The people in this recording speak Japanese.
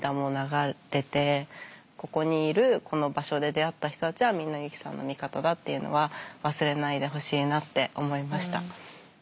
ここにいるこの場所で出会った人たちはみんなユキさんの味方だっていうのは忘れないでほしいなって思いました。